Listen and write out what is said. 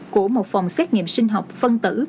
của một phòng xét nghiệm sinh học phân tử